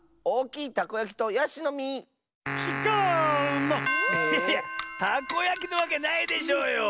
いやいやたこやきなわけないでしょうよ。